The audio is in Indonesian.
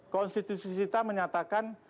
konstitusi kita menyatakan